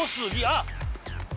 あっ！